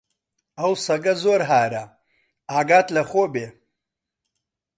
ئەو سەگە زۆر هارە، ئاگات لە خۆ بێ!